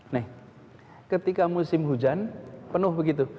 nih ketika musim hujan penuh begitu